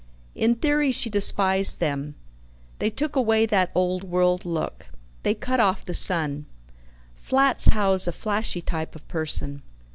In theory she despised them they took away that old world look they cut off the sun flats house a flashy type of person.